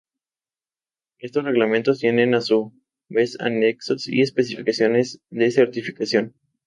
Estos reglamentos tienen a su vez anexos y especificaciones de certificación.